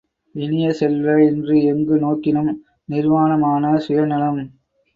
இனிய செல்வ, இன்று எங்கு நோக்கினும் நிர்வானமான சுயநலம்!